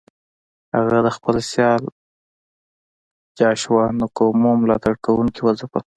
هغه د خپل سیال جاشوا نکومو ملاتړ کوونکي وځپل.